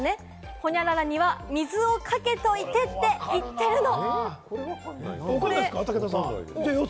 ホニャララには水をかけといてって言ってるの。